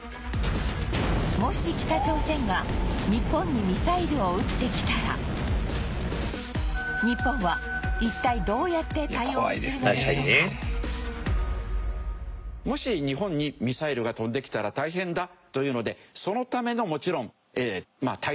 もし北朝鮮が日本は一体もし日本にミサイルが飛んできたら大変だというのでそのためのもちろん。